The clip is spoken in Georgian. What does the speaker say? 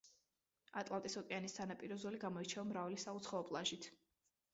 ატლანტის ოკეანის სანაპირო ზოლო გამოირჩევა მრავალი საუცხოო პლაჟით.